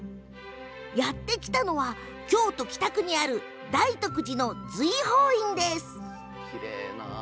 やって来たのは京都・北区にある大徳寺の瑞峯院です。